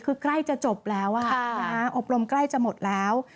คือใกล้จะจบแล้วอบรมใกล้จะหมดแล้ว